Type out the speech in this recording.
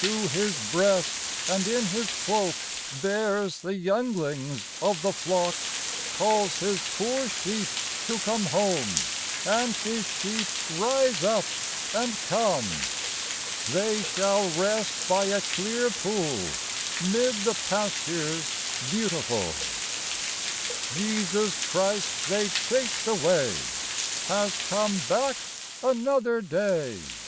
To His breast and in his cloak Bears the younglings of the flock : Calls His poor sheep to come home And His sheep rise up and come. 62 FLOWER OF YOUTH They shall rest by a clear pool 'Mid the pastures beautiful ! Jesus Christ they chased away Has come back another day.